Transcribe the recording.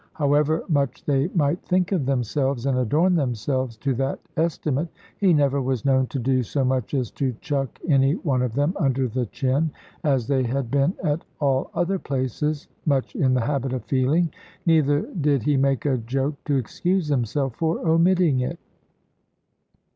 However much they might think of themselves, and adorn themselves to that estimate, he never was known to do so much as to chuck any one of them under the chin, as they had been at all other places much in the habit of feeling; neither did he make a joke to excuse himself for omitting it.